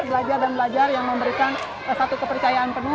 belajar dan belajar yang memberikan satu kepercayaan penuh